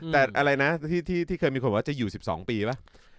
แต่อะไรนะที่เคยมีคนว่าจะอยู่๑๒ปีป่ะ